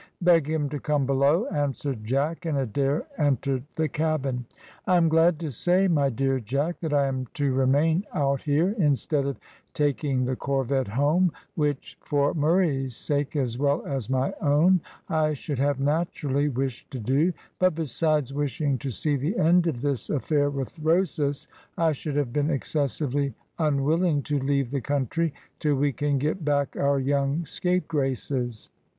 "Beg him to come below," answered Jack, and Adair entered the cabin. "I am glad to say, my dear Jack, that I am to remain out here instead of taking the corvette home, which, for Murray's sake as well as my own, I should have naturally wished to do; but besides wishing to see the end of this affair with Rosas, I should have been excessively unwilling to leave the country till we can get back our young scapegraces.